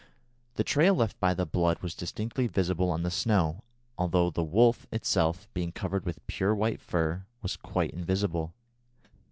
The trail left by the blood was distinctly visible on the snow, although the wolf itself, being covered with pure white fur, was quite invisible.